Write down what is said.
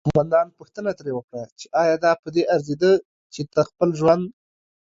قوماندان پوښتنه ترې وکړه چې آیا دا پدې ارزیده چې ته خپل ژوند